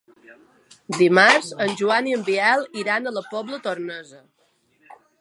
Dimarts en Joan i en Biel iran a la Pobla Tornesa.